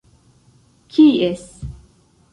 kies